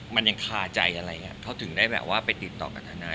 มันยังคาใจอะไรเขาถึงได้แบบว่าไปติดต่อกับทนาย